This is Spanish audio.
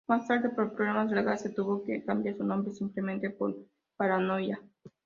Más tarde, por problemas legales, se tuvo que cambiar su nombre simplemente por "Paranoia".